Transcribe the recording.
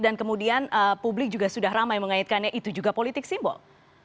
dan kemudian publik juga sudah ramai mengaitkannya itu juga politik simbol